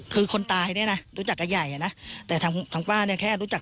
คือคนตายเนี่ยนะรู้จักกับใหญ่อ่ะนะแต่ทางป้าเนี่ยแค่รู้จัก